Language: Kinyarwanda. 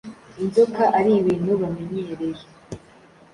inzoka ari ibintu bamenyereye,